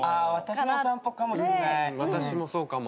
私もそうかも。